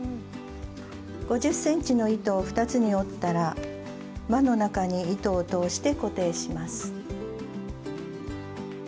５０ｃｍの糸を２つに折ったら輪の中に糸を通して固定します。